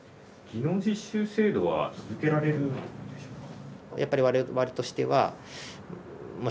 技能実習制度は続けられるんでしょうか？